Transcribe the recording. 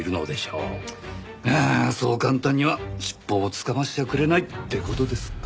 ああそう簡単には尻尾をつかませちゃくれないって事ですか。